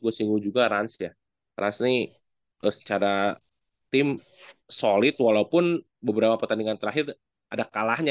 gue singgung juga rancang rasni secara tim solid walaupun beberapa pertandingan terakhir ada kalahnya